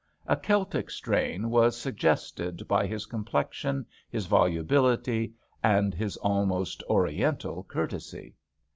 A Celtic strain was suggested by his complexion, his volubility, and his almost Oriental courtesy.